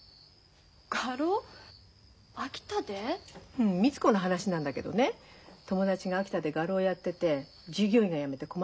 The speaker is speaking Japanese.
うんみつ子の話なんだけどね友達が秋田で画廊やってて従業員がやめて困ってるんだって。